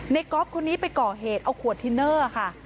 ก๊อฟคนนี้ไปก่อเหตุเอาขวดทินเนอร์ค่ะ